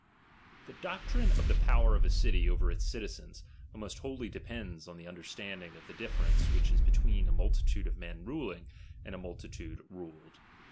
'} Tht doctrine of the powpr of a city over its citizens, almost wholly depends on tlie understanding of the dif ference which is between a multitude of men ruling, and a multi lude ruled.